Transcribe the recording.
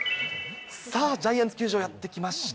ジャイアンツ球場やって来ました。